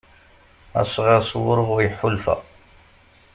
Asɣar s wurɣu iḥulfa.